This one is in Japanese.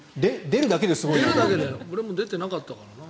俺も出てなかったからな。